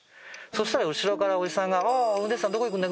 そしたら後ろからおじさんが。